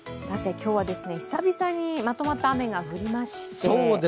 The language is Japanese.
今日は久々にまとまった雨が降りまして。